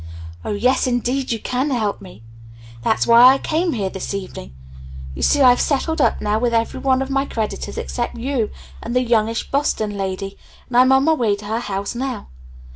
"Oh, yes, indeed you can help me! That's why I came here this evening. You see I've settled up now with every one of my creditors except you and the youngish Boston lady, and I'm on my way to her house now.